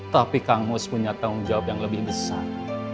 tapi kang mus punya tanggung jawab yang lebih besar